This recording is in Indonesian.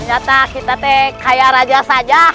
ternyata kita teh kayak raja saja